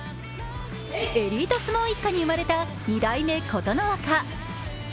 エリート相撲一家に生まれた二代目琴ノ若。